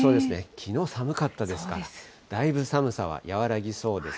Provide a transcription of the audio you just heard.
きのう寒かったですから、だいぶ寒さは和らぎそうです。